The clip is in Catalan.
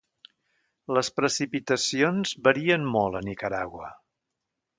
Les precipitacions varien molt a Nicaragua.